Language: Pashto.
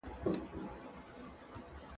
شاګرد د خپلې موضوع لپاره شواهد زیاتوي.